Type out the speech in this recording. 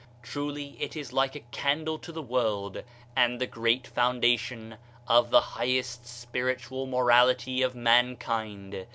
Truly it is like a candle to the world, and the great foundation of the highest spiritual morality of mankind!